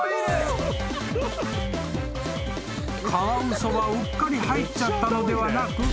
［カワウソはうっかり入っちゃったのではなく］